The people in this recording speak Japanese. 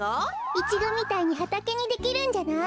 イチゴみたいにはたけにできるんじゃない？